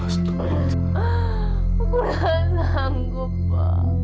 aku gak sanggup pa